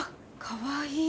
かわいい。